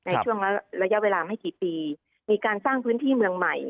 ในช่วงระยะเวลาไม่กี่ปีมีการสร้างพื้นที่เมืองใหม่